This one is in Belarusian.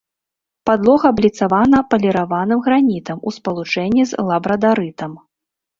Падлога абліцавана паліраваным гранітам у спалучэнні з лабрадарытам.